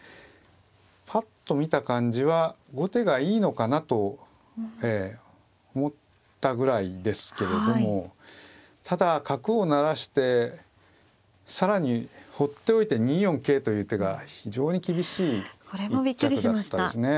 ぱっと見た感じは後手がいいのかなと思ったぐらいですけれどもただ角を成らして更にほっておいて２四桂という手が非常に厳しい一着だったですね。